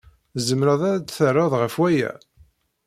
Tzemred ad d-terred ɣef waya?